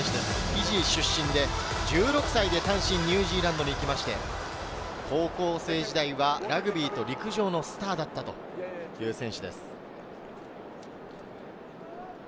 フィジー出身で、１４歳で単身、ニュージーランドに行って、高校時代はラグビーと、陸上のスターだった選手です。